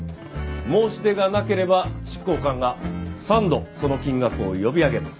申し出がなければ執行官が３度その金額を呼び上げます。